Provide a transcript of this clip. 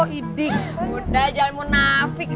gini udah jangan mau nafik